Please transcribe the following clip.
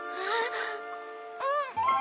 うん！